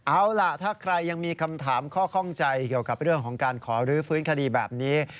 เอาล่ะถ้าใครยังมีคำถามข้อข้องใจเกี่ยวกับเรื่องของการขอรื้อฟื้นคดีแบบนี้